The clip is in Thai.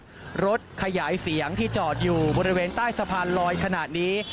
รถขยายเสียงที่จอดอยู่บริเวณใต้สะพานลอยขนาดนี้